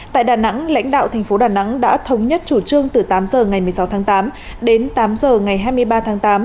tại đà nẵng lãnh đạo thành phố đà nẵng đã thống nhất chủ trương từ tám giờ ngày một mươi sáu tháng tám đến tám h ngày hai mươi ba tháng tám